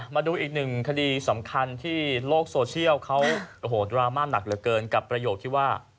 มาดูอีกหนึ่งคดีสำคัญที่โลกโซเชียลเขาโอ้โหดราม่าหนักเหลือเกินกับประโยคที่ว่า